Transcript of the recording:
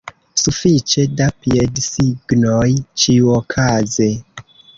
Sufiĉe da piedsignoj ĉiuokaze!